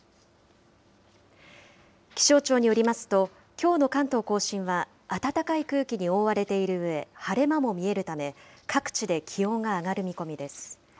気象庁によりますと、きょうの関東甲信は温かい空気に覆われているうえ、晴れ間も見えるため、各地で気温が上がる見込みです。